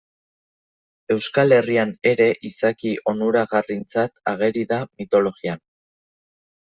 Euskal Herrian ere izaki onuragarritzat ageri da mitologian.